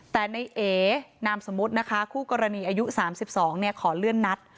แต่ในเอนามสมมุตินะคะคู่กรณีอายุ๓๒ขอเลื่อนนัด